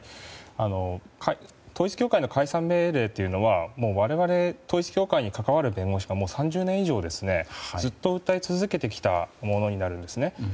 統一教会の解散命令というのは我々、統一教会に関わる弁護士が３０年以上ずっと訴え続けてきたものになるんですね。